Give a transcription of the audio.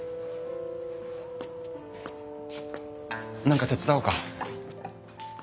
何か手伝おうか？